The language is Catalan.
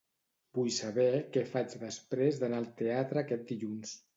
Vull saber què faig després d'anar al teatre aquest dilluns.